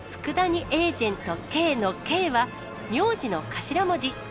佃煮エージェントＫのＫは、名字の頭文字。